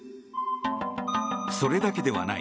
それだけではない。